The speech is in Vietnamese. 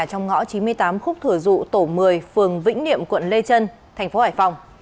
trong ngõ chín mươi tám khúc thừa dụ tổ một mươi phường vĩnh niệm quận lê chân tp hải phòng